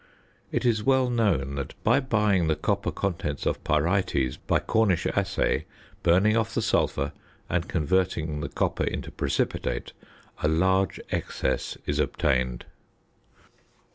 It is well known that by buying the copper contents of pyrites by Cornish assay, burning off the sulphur, and converting the copper into precipitate, a large excess is obtained.